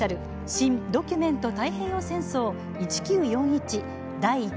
「新・ドキュメント太平洋戦争１９４１